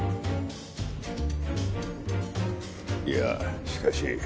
いやしかし。